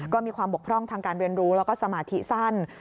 ก็มีความบกพร่องทางการเรียนรู้แล้วก็สมาธิสั้น